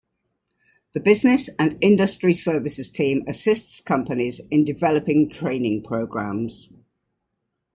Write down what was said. The Business and Industry Services team assists companies in developing training programs.